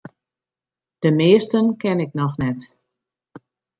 De measten ken ik noch net.